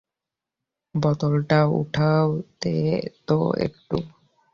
বোতলটা উঠায় দে তো একটু।